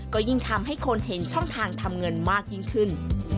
ก็ยิ่งทำให้คนเห็นช่องทางทำเงินมากยิ่งขึ้น